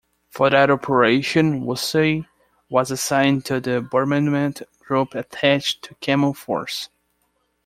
For that operation, "Woolsey" was assigned to the Bombardment Group attached to Camel Force.